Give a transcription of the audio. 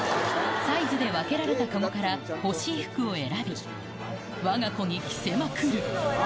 サイズで分けられた籠から、欲しい服を選び、わが子に着せまくる。